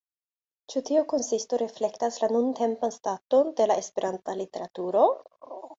Ĉu tiu konsisto reflektas la nuntempan staton de la Esperanta literaturo?